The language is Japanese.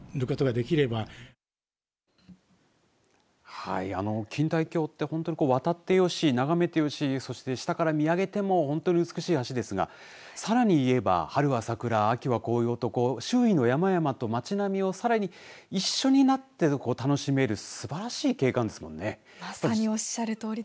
はい、あの錦帯橋て本当に渡ってよし眺めてよし、そして下から見上げても本当に美しい橋ですがさらに言えば春は桜、秋は紅葉と周囲の山々と町並みをさらに一緒になって楽しめるすばらしい景観ですもんね。